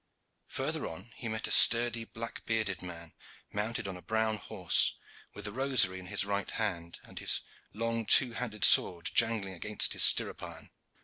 Further on he met a sturdy black bearded man, mounted on a brown horse, with a rosary in his right hand and a long two handed sword jangling against his stirrup iron.